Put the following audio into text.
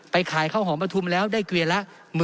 ขายข้าวหอมประทุมแล้วได้เกวียนละ